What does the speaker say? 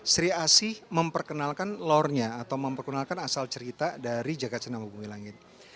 sri asih memperkenalkan lore nya atau memperkenalkan asal cerita dari jagad cinema bumi langit